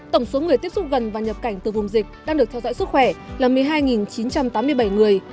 tổng số người tiếp xúc gần và nhập cảnh từ vùng dịch đang được theo dõi sức khỏe là một mươi hai chín trăm tám mươi bảy người